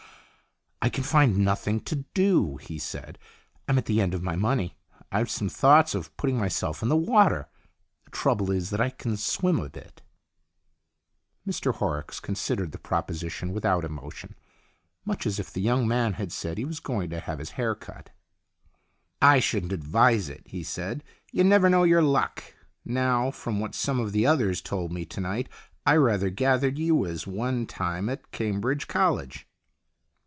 " I can find nothing to do," he said. " I'm at the end of my money. I've some thoughts of putting myself in the water. The trouble is that I can swim a bit." Mr Horrocks considered the proposition without 116 THE LAST CHANCE 117 emotion, much as if the young man had said he was going to have his hair cut. "I shouldn't advise it," he said. "You never know your luck. Now, from what some of the others told me to night, I rather gathered you was one time at Cambridge College."